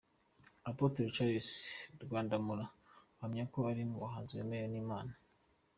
Apotre Charles Rwandamura ahamya ko ari umuhanzi wemewe n'Imana.